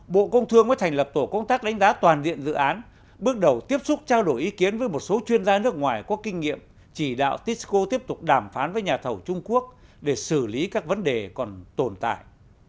bộ công thương mới thành lập tổ công tác đánh giá toàn diện dự án bước đầu tiếp xúc trao đổi ý kiến với một số chuyên gia nước ngoài có kinh nghiệm chỉ đạo tisco tiếp tục đàm phán với nhà thầu trung quốc để xử lý các vấn đề còn tồn tại